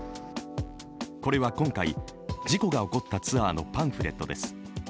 これは今回、事故が起こったツアーのパンフレットです。